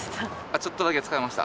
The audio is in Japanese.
ちょっとだけ使いました。